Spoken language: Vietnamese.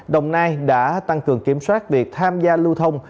đồng nai đã tăng cường kiểm soát việc tham gia lưu thông